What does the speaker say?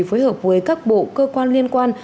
phối hợp với các bộ cơ quan liên quan